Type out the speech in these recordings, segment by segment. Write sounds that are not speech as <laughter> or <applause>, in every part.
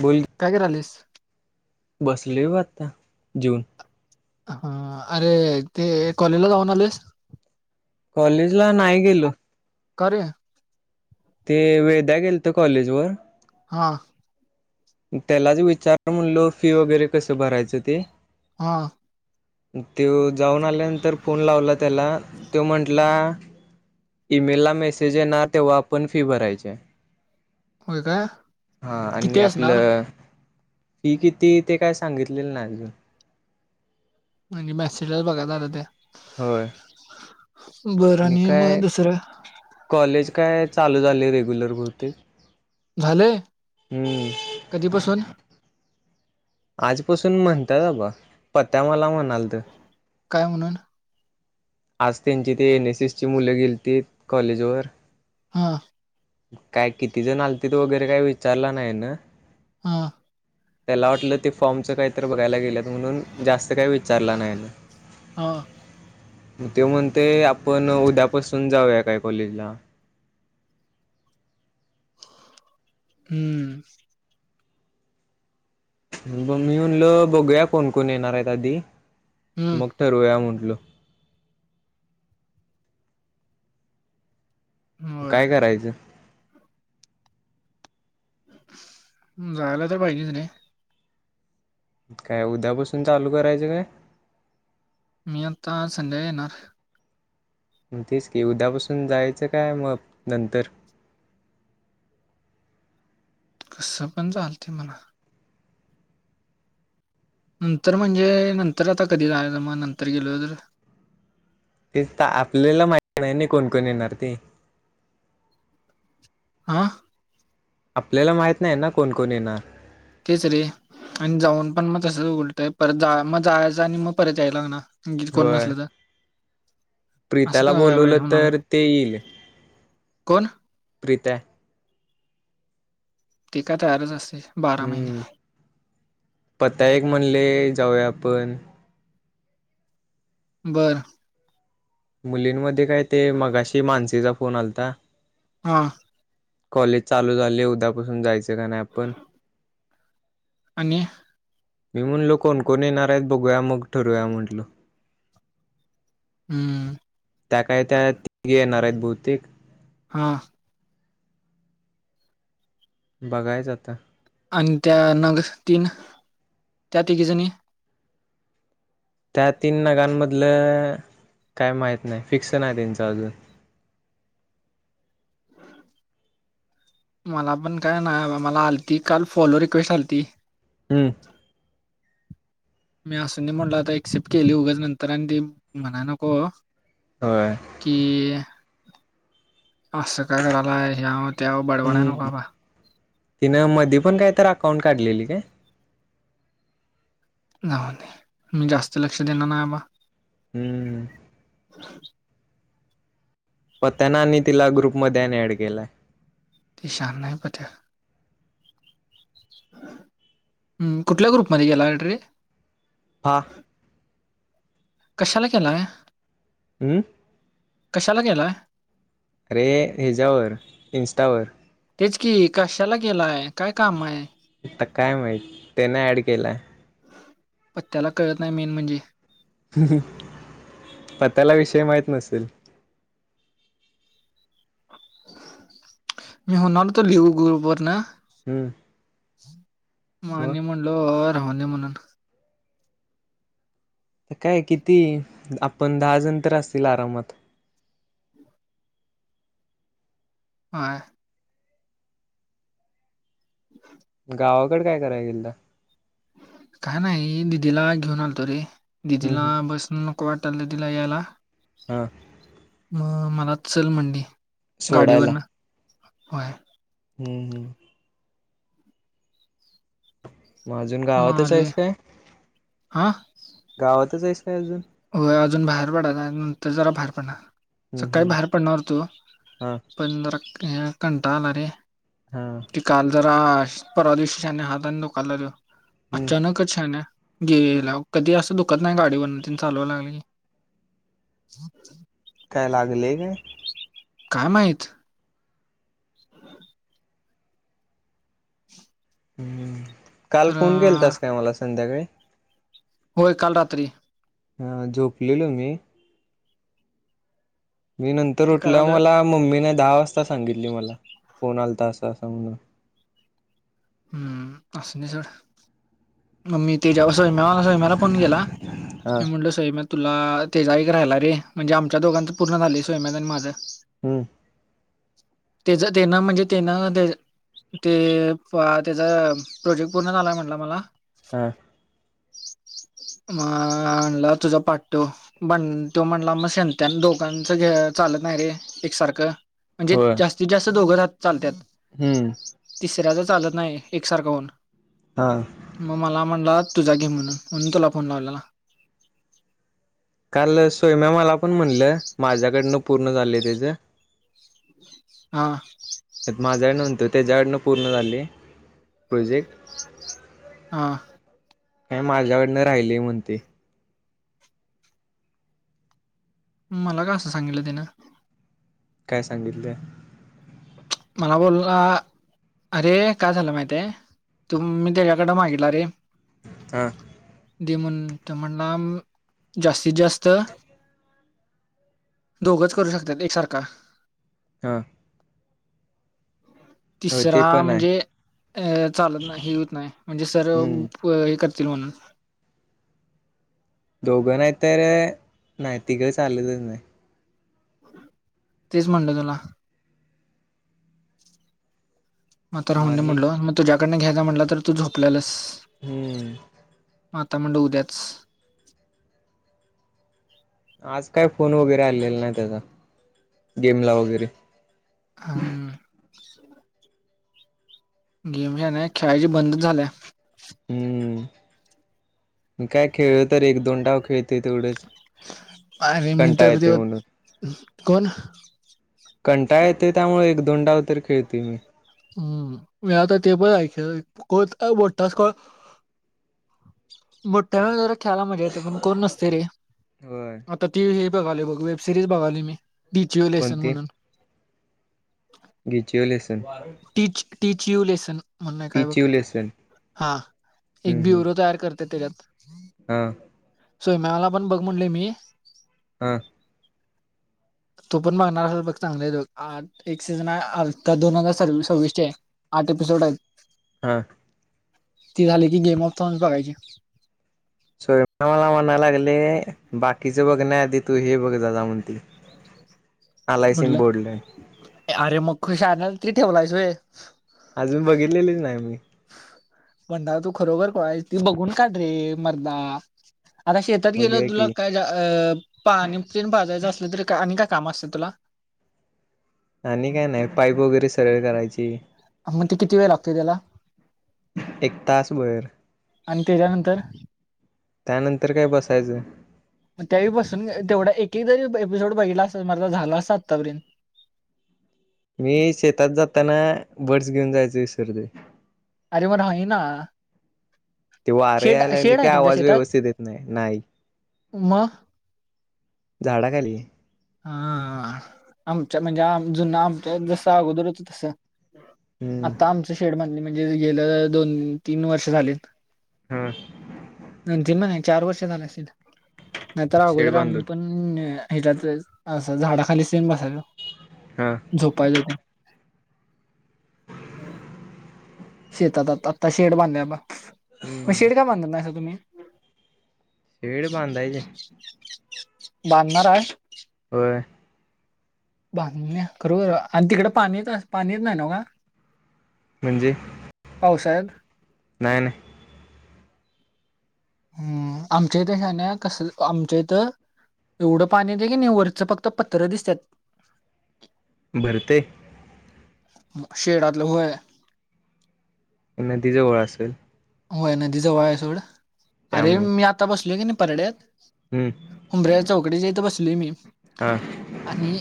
बोल. काय करालीस. बसलेय वा आता जीवन. हा अरे ते कॉलेजला जाऊन आलेस? कॉलेज ला नाही गेलो. करूया. ते वेध्या गेलत कॉलेज वर. हा. त्यालाच विचार म्हणलो फी वगैरे कसं भरायचं ते. हा. तो जाऊन आल्यानंतर फोन लावला त्याला तो म्हंटला ईमेल ला मेसेज येणार ना तेव्हा आपण फी भरायची हाय. होय काय हा किती आणि आप असणार? ता फी किती ते काय सांगितलेलं नाय अजून. म्हणजे मेसेला बघा झालं त्या. होय. बरं आणि मग दुसरा कॉलेज काय चालू झाले रेग्युलर बहुतेक. झालंय हम्म कधीपासून? आजपसून म्हणतात बाबा पत्या मला म्हणालत. काय म्हणू? आज त्यांची ते एन एस ची मुलं गेलीती कॉलेजवर. हा. काय किती जण आलतील ते वगैरे काय विचारलं नाही ना. हा. त्याला वाटलं ते फॉर्मचं काहीत बघायला गेलेत म्हणून जास्त काही विचारलं नाही ना. हां. म ते म्हणते आपण उद्यापासून जाऊया काय कॉलेजला. हम्म. ब मी म्हणल बघूया कोण, कोण येणार आहेत आधी हम्म मग ठरवया म्हटलो. होय काय करायचं <unintelligible> काय उद्यापासून चालू करायचं काय मी आता संडे्या येणार ग तेच की उद्यापासून जायचं काय मग नंतर कसं पण चालते मला नंतर म्हणजे नंतर आता कधी झायला मग नंतर गेलो तर ते तर आपल्याला माह नाही नाही कोणकण येणार ते हा आपल्याला माहत नाही ना कोणकोण ये ना तेच रे आणि जाऊन पण मग तसं उलतंय परत जा मग जायचं आणि मग परत यायला लागणार गी कोण होय नसलं तर असं प्रीताला काय बाय बाय बोलवलं हो ना मग तर ते येईल कोण प्रीत ती का तयारच असते बारा महिने पता एक म्हणले जाऊया आपण बरं मुलींमध्ये काय ते मगाशी मानसेचा फोन आलता हा कॉलेज चालू झाली उद्यापासून जायचं का नाही आपण आणि मी म्हणलो कोणकोण येणार आहेत बघूया मग ठरूया म्हंटल हम्म त्या काय त्या तिघे येणार आहेत बहुतेक हा. बघायचं आता. आणि त्या नग तीन त्या तिघिजणी. त्या तीन नगांमधलं काय माहीत नाही फिक्स नाही त्यांचं अजून. हम. मला पण काय ना मला आलती काल फॉलो रिक्वेस्ट आलती. हम्म. मी असून म्हटलो आता एक्सेप्ट केली उगच नंतर आणि ते म्हणाय नको. व्हय. कि अस काय करालाय ह्यांव. हम्म तिनं मधी पण काय तर अकाउंट काढलेली काय? मी जास्त लक्ष देणार नाहीबा. हम्म पत्यांना आणि तिला ग्रुप मदे आणि ऍड केलाय. ते शान नाही पत्या. हम्म कुठल्या ग्रुपमध्ये केला ॲड रे? हा कशाला केला आहे हमंम कशाला गेलाय अरे हच्यावर इं्स्टावर तेच की कशाला गेलाय काय काम आहे? आता काय माहित त्याने ऍड केलाय. पण त्याला कळत नाही मेन म्हणजे पत्याला विषय माहत नसेल? मी म्हणालतो लिऊ ग्रुप वरण. हम्म मग मानी म्हणलो राहू दे म्हणून. काय किती आपण दहा जण तर असतील आरामात. हा. हा. गावाकड काय कराय गेलता? काय नाही दिदीला घेऊन आलतो रे, हम्म दिदीला हम्म बसन नको वाटायल तिला यायला. हा. मग मला चल म्हटली सोडायला गाडीवरन बाहेर. हम्म हम्. मग अजून मग गावातच आलोय. आहेस काय हां? गावातच आहेस काय अजून? हो अजून बाहेर पडा आणि नंतर जरा बाहेर पडणार. हम्म सकाळी हम्म बाहेर पडणार होतो, हा पन जरा कंटाळा आला रे. हा. ती काल जरा परवा दिवशी शहाण्या हात तो दुखायला लागलं हम्म अचानक. शान्या गेलाव कधी असं दुखत नाही गाडीवर. चालवायला लागली. काय लागले काय? काय माहीत हम. हम् काल फोन खरं केलतास काय मला संध्याकाळी? होय काल रात्री. हा झोपलेलो मी. मी नंतर ते उठल्यावर कळालं मला मम्मीने दहा वाजता सांगितली मला फोन आलता असं असं म्हणून. हम्म असुदे सोड. <unintelligible> सोम हा तुला तेजाईक राहिला रे म्हणजे आमच्या दोघांच पूर्ण झाली सोय आणि माझं हम्म. तेच तेन म्हणजे तेन ते ते त्याचा प्रोजेक्ट पूर्ण झालाय म्हटला मला. ह. म आणला तुझा पाठ्टो. बण तो म्हणला मग संत्यान दोघांच घ चालत नाही रे एकसारखं म्हणजे होय जास्तीत जास्त दोघं ह चालत्यात हम्म. तिसऱ्याच चालत नाही एकसारखा होन हा. मग मला म्हणला तुझा घे म्हणून म्हणून तुला फोन लावलेला काल सोम्या मला पण म्हणलं माझ्याकडनं पूर्ण झाले त्याचे ह हा. त्यात माझ्याकड न्हवते त्याच्याडन पूर्ण झालेले प्रोजेक्ट. हां. काय माझ्याकडनं राहिली म्हणतय. मला का असं सांगितलं तेन? काय सांगितलंय? मला बोल ना अरे काय झालं माहितीये तुम मी त्याच्याकडे मागितला रे हा. दे म्हणून ते म्हनला जास्तीत जास्त दोघच करू शकतात एकसारखा हा हो ते तिसरा पण आहे म्हणजे अ चालत नाही हे होत नाही म्हणजे सर हम्म हे करतन म्हणून दोघं नाही तरर नाही तिक चाललेलंच नाही तेच म्हणलं तुला मात राहूने आणि म्हटल मग तु्याकडडे घ्यायचा म्हटलं तर तू झोपल्यालास हम्म माता म्हंड उद्याच आज काय फोन वगैरे आलेला नाही त्याचा गेमला वगैरे अहम गेम नाही खेळायची बंदच झालंय हम्म काय खेळलं तर एक दोन टाव खेळतेय तेवढंच अरे कंटाळा मित्रपती येते म्हणून कोण कंटा येते त्यामुळे एक दोन डाव तर खेळते मी हम्म मी आता ते पण ऐक कोत बटताास मोठ्या वेळ जरा खेळायला मजा येते पण कोण नसते रे होय तर ती हे बघाले बघ वेब सिरीज बघाली मी बीचू लेसन कोणती म्हणून घिचीओलेसन टीच टच यू लेसन म्हण नाही काय बघ टिचिओ लेसन हा हम्म एक ब्युरो हम्म तयार करते त्याच्यात हा सोम्याला पण बघ म्हणले मी हम <inaudible> तो पण बघणार असल बघ चांगला आहे तो आ एक सीजन आ दोन सर स विषय आठ एपिसोड हा त झाली की गेम ऑफ थोनस बघायचे. स्वयं मला म्हणायला लागले बाकीचे बघ नाही आधी तू हे बघ जा जा म्हणतील. म्हटलं अरे मग खुश आहे ना ती ठेवलायचय अजून बघितलेलीच नाही मी. म्हणंदा तू खरोबर कळाची ती बघून काढ रे मरदा आता शेतात गेल बघूया तुला की काय पाणी पन भाजायचं असलं तरी आणि काय काम असतं तुला. आणि काय नाही पाईप वगैरे सगळे करायची. मग ते किती वेळ लागत त्याला. एक तास वर आणि त्याच्यानंतर त्यानंतर काय बसायचं. ग त्याहीपासून तेवढा एकही जरी एपिसोड प हिला असे म झाला अस आत्तापर्यंत. मी शेतात जाताना बर्डस घेऊन जायच विसरते. आरे मर हना ते वारं यायला लागले की आहे तुमच्या आवाज व्यवस्थित येत नाही नाही म झाडं खाली हा आमच्या म्हणजे आम जुना आमच्या जसं अगोदर होत तसं. हम्म आता आमचं शेड बधणी म्हणजे गेलं दोन तीन वर्ष झालेत. हा दोन तीन नाही चार वर्ष झालं असेल नाहीतर शेड अगोदर आम्ही बांधून पण हम् हच्यात असं झाडा खाली सेम बसायला हा झोपायच ते. शेतातता आता शेड बांधला बा मग हम्म शेड काय बांधत नाहीर तुम्ही. शेड बांधायची आहे बांधणार आहे हो. <unintelligible> खरोखर आणि तिकडे पाणीच पाणीच नाही न व्ह म्हणजे पावसाळ्यात नाही नाही हम्म आमच्या इथ हायना कस आमच्या इथ एवढं पाणी येते की नाही वरचं फक्त पत्र दिसतात. भरते शेडातल होय नदीजवळ असेल होय नदी जवळ आहे सोड, अरे त्यामुळे मी आता बसलो आहे की नाही परड्यात हम्म. उंबऱ्या चौकडेच्या इथं बसलोय मी हा. आणि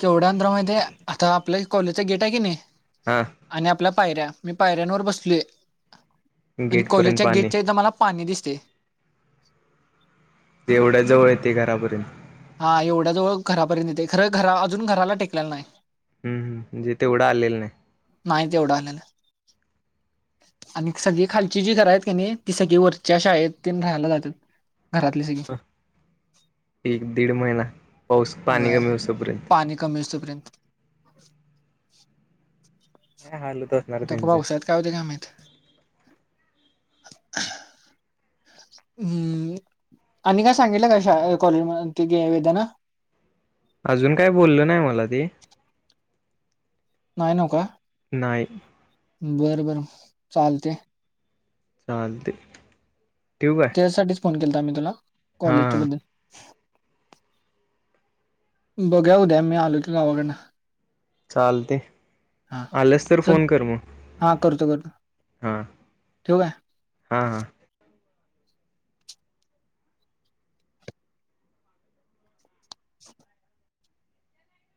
केवढ्यांत <unintelligible> माहितीय आता आपल्या कॉलेजचा गेट आहे की नाही हा आणि आपल्या पायऱ्या मी पायऱ्यांवर बसलोय. आणि गेट पर्यंत कोलेजच्या पाणी गेटच्या इथे मला पाणी दिसते. ते एवढ्या जवळ येते घरापर्यंत हा एवढ्याजवळ घरापर्यंत येते खरं घरा अजून घराला टेकलेला नाही. हम्म म्हणजे तेवढं आलेलं नाही. नाही तेवढं आलेलं आणि सगळी खालची जी घरं आहेत का नाही ती सगळी वरची शाळेत राहायला जातात घरातली सग एक दीड महिना पाऊस पाणी होय कमी असोपर्यंत पाणी कमी असोपर्यंत लय हालत असणार आता त्यांचे पावसात काय होते काय माहित हम्म आणि काय सांगितलं काय शाळा कॉलेज <unintelligible> अजून काय बोलल नाय मला ते नाय न्हवका नाही. बरं बरं चालतय चालते ठिऊ काय? त्यासाठी च फोन केलता मी तुला कॉलेजच्या हा बद्दल बघा उद्या मी आलो तर गावांकडंन चालतंय हा आलंस तर चल फोन कर मग. हा करतो करतो हा. ठेवू काय हा हा.